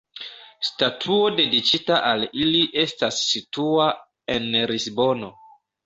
Statuo dediĉita al ili estas situa en Lisbono.